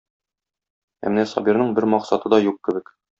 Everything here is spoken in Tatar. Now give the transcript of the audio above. Ә менә Сабирның бер максаты да юк кебек.